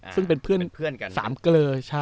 ซึ่งเป็นเพื่อนกัน๓เกลอ